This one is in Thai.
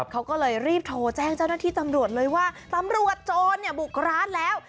เขาก็เลยรีบโทรแจ้งเจ้าหน้าที่ตำรวจเลยว่าตำรวจโจรบุกร้านแล้ว